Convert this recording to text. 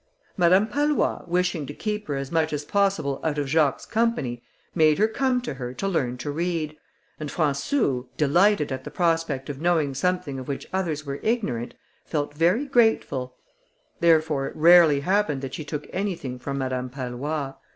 Madame Pallois, wishing to keep her as much as possible out of Jacques's company, made her come to her to learn to read; and Françou, delighted at the prospect of knowing something of which others were ignorant, felt very grateful: therefore it rarely happened that she took anything from Madame Pallois.